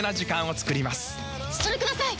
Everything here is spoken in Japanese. それください！